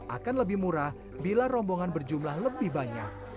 akan lebih murah bila rombongan berjumlah lebih banyak